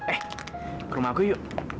eh ke rumah aku yuk